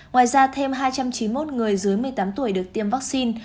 ngoài ra thêm hai trăm chín mươi một người dưới một mươi tám tuổi được tiêm vaccine